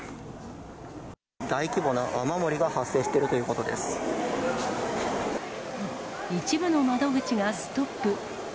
大規模な雨漏りが発生してい一部の窓口がストップ。